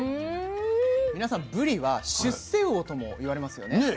皆さんぶりは出世魚とも言われますよね。